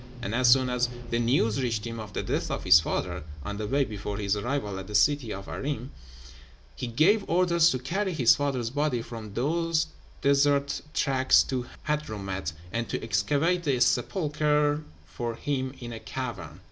And as soon as the news reached him of the death of his father, on the way before his arrival at the city of Irem, he gave orders to carry his father's body from those desert tracts to Hadramót, and to excavate the sepulchre for him in a cavern.